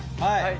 はい。